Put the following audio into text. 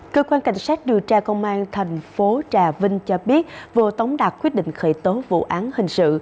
cơ quan cảnh sát điều tra công an thành phố trà vinh cho biết vừa tống đạt quyết định khởi tố vụ án hình sự